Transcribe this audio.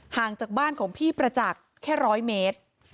ห่างจากบ้านของพี่ประจักษ์แค่๑๐๐เมตร